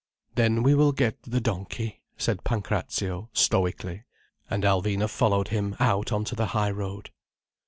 "Then we will get the donkey," said Pancrazio stoically. And Alvina followed him out on to the high road.